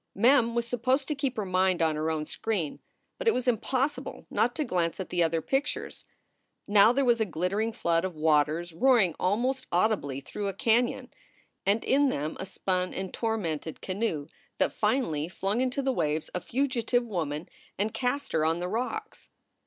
Mem was supposed to keep her mind on her own screen, but it was impossible not to glance at the other pictures. Now there was a glittering flood of waters roaring almost audibly through a canon, and in them a spun and tormented canoe that finally flung into the waves a fugitive woman SOULS FOR SALE 177 and cast her on the rocks.